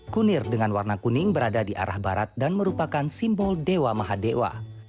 kunir dengan warna kuning berada di arah barat dan merupakan simbol dewa maha dewa